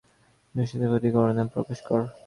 দুঃস্থদের প্রতি করুণা প্রকাশ কর।